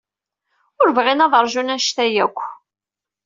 Ur bɣin ad ṛjun anect-a akk.